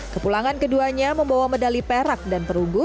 kepulangan keduanya membawa medali perak dan perunggu